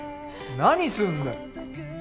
何すんだよ！